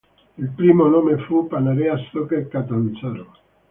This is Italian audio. Il primo nome fu Panarea Soccer Catanzaro.